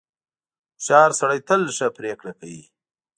• هوښیار سړی تل ښه پرېکړه کوي.